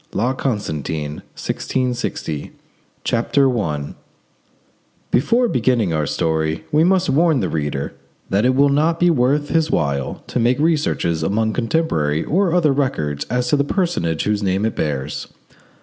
*LA CONSTANTIN—1660* CHAPTER I Before beginning our story, we must warn the reader that it will not be worth his while to make researches among contemporary or other records as to the personage whose name it bears.